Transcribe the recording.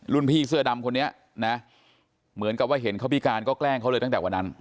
พี่เสื้อดำคนนี้นะเหมือนกับว่าเห็นเขาพิการก็แกล้งเขาเลยตั้งแต่วันนั้น